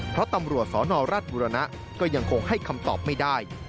เพราะตำรวจสนราชบุรณะก็ยังคงให้คำตอบไม่ได้